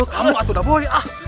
kamu atuh dah boi ah